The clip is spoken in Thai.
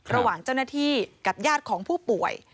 ระหว่างเจ้าหน้าที่กับญาติของผู้ป่วย